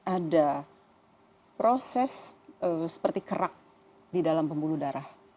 ada proses seperti kerak di dalam pembuluh darah